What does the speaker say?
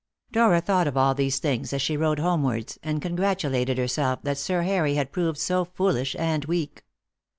Dora thought of all these things as she rode homewards, and congratulated herself that Sir Harry had proved so foolish and weak.